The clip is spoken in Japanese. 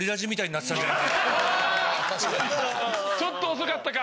ちょっと遅かったか。